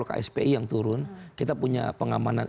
kspi yang turun kita punya pengamanan